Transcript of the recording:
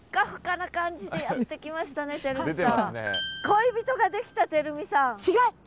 恋人ができたてるみさん。